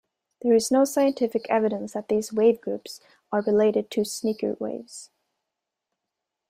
There is no scientific evidence that these wave groups are related to sneaker waves.